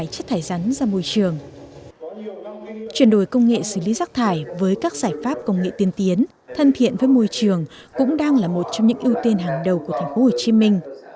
chuyển đổi công nghệ xử lý rác thải với các giải pháp công nghệ tiên tiến thân thiện với môi trường cũng đang là một trong những ưu tiên hàng đầu của thành phố hồ chí minh